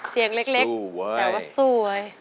เสียงเล็กแต่ว่าสู้ไว้สู้ไว้